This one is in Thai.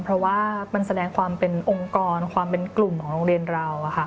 เพราะว่ามันแสดงความเป็นองค์กรความเป็นกลุ่มของโรงเรียนเรา